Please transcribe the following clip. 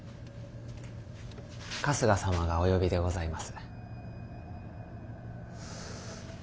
春日様がお呼びでございます。